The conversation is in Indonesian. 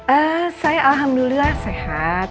eh saya alhamdulillah sehat